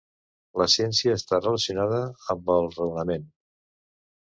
La ciència està relacionada amb el raonament.